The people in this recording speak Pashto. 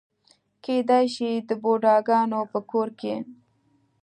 کېدای شي د بوډاګانو په کور کې.